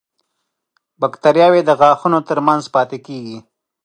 باکتریاوې د غاښونو تر منځ پاتې کېږي.